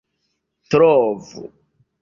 trovu